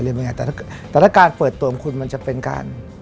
แต่ถ้าการเปิดตัวของคุณมันจะเป็นการ